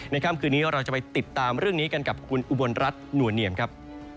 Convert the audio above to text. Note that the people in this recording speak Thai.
ค่ำคืนนี้เราจะไปติดตามเรื่องนี้กันกับคุณอุบลรัฐหนัวเนียมครับ